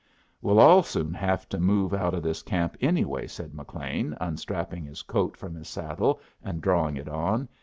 "We'll all soon have to move out of this camp, anyway," said McLean, unstrapping his coat from his saddle and drawing it on.